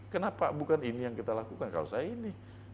kenapa bukan ini yang kita lakukan kalau saya ini